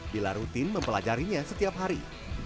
bila rutin mempelajarinya setiap hari